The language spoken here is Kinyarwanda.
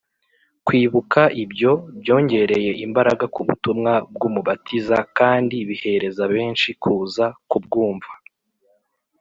. Kwibuka ibyo, byongereye imbaraga ku butumwa bw’Umubatiza kandi birehereza benshi kuza kubwumva